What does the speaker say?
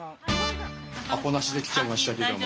アポなしで来ちゃいましたけども。